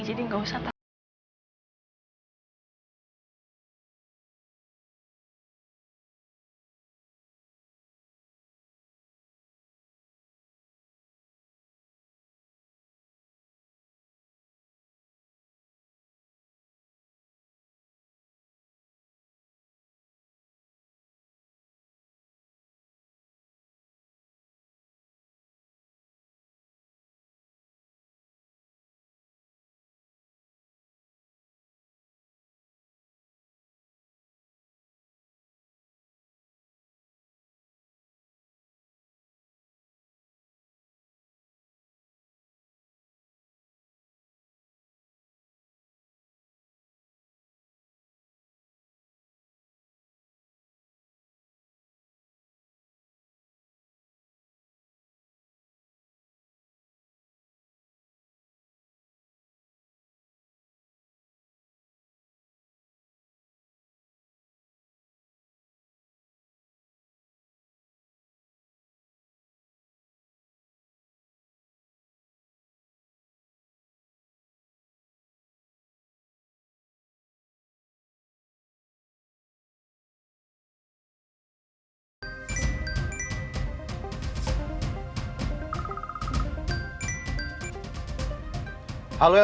jadi enggak usah takut